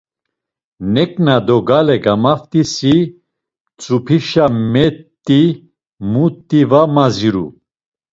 Neǩna do gale gamaft̆isi, mtzupişa met̆i muti va maziru.